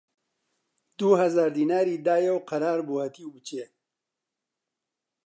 دوو هەزار دیناری دایە و قەرار بوو هەتیو بچێ